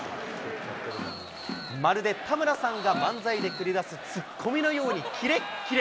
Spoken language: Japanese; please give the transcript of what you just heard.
まるで田村さんが漫才で繰り出す突っ込みのようにキレッキレ。